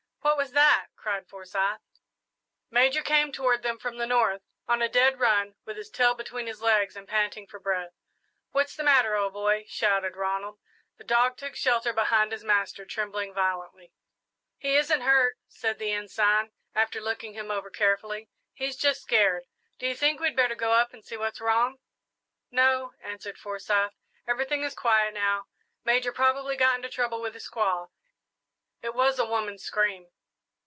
"What was that?" cried Forsyth. Major came toward them from the north, on a dead run, with his tail between his legs and panting for breath. "What's the matter, old boy?" shouted Ronald. The dog took shelter behind his master, trembling violently. "He isn't hurt," said the Ensign, after looking him over carefully, "he's just scared. Do you think we'd better go up and see what's wrong?" "No," answered Forsyth; "everything is quiet now. Major probably got into trouble with a squaw. It was a woman's scream."